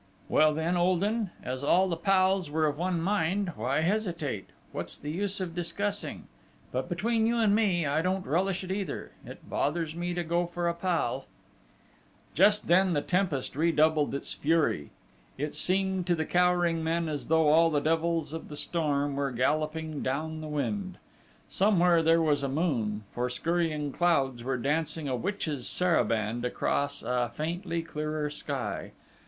Well then, old 'un, as all the pals were of one mind, why hesitate? What's the use of discussing!... but, between you and me, I don't relish it either it bothers me to go for a pal!..." Just then the tempest redoubled its fury: it seemed to the cowering men as though all the devils of the storm were galloping down the wind. Somewhere there was a moon, for scurrying clouds were dancing a witches' saraband across a faintly clearer sky.